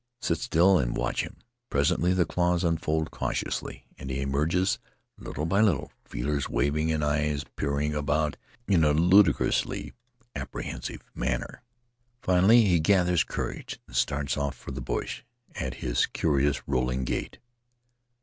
Sit still and watch him; presently the claws unfold cautiously and he emerges little by little, feelers waving and eyes peering about in a ludicrously apprehensive manner. Finally he gathers courage and starts off for the bush at his curious rolling gait.